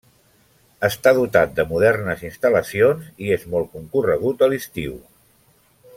Està dotat de modernes instal·lacions i és molt concorregut a l'estiu.